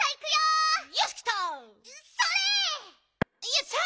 よっしゃ！